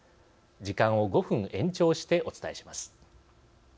時間を５分延長してお伝えします。